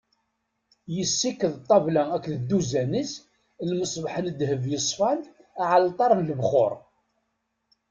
Yessiked ṭṭabla akked dduzan-is, lmeṣbaḥ n ddheb yeṣfan, aɛalṭar n lebxuṛ.